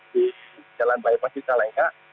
di jalan bayi pasir cicalengka